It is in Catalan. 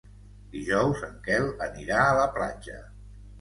Dijous en Quel anirà a la platja.